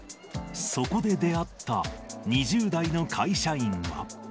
そこで出会った２０代の会社員は。